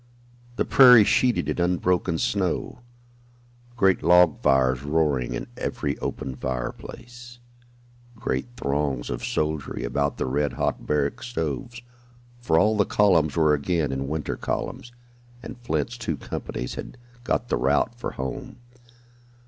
The prairie sheeted in unbroken snow. Great log fires roaring in every open fireplace. Great throngs of soldiery about the red hot barrack stoves, for all the columns were again in winter columns, and Flint's two companies had "got the route" for home.